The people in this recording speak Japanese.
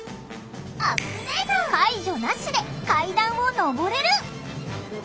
介助なしで階段を上れる。